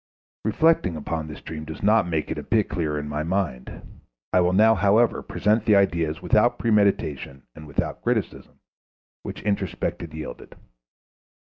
Reflecting upon this dream does not make it a bit clearer to my mind. I will now, however, present the ideas, without premeditation and without criticism, which introspection yielded.